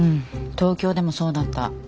東京でもそうだった。